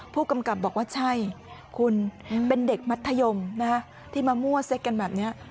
ผู้กำกับบอกว่าใช่คุณเป็นเด็กมัธยมที่มามั่วเซ็ตกันแบบนี้